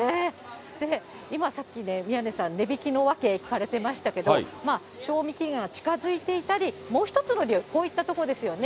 で、今さっきね、宮根さん、値引きの訳、聞かれてましたけど、賞味期限が近づいていたり、もう１つの理由、こういったところですよね。